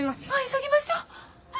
急ぎましょう！